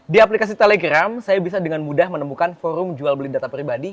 di aplikasi telegram saya bisa dengan mudah menemukan forum jual beli data pribadi